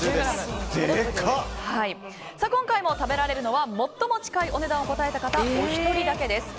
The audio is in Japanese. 今回も食べられるのは最も近いお値段を答えた方お一人だけです。